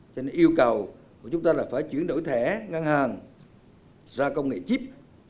cho nên yêu cầu của chúng ta là phải chuyển đổi thẻ ngân hàng ra công nghệ chip